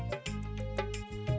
mas rangga mau bantu